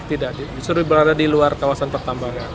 tidak justru berada di luar kawasan pertambangan